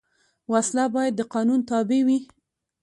وسله باید د قانون تابع وي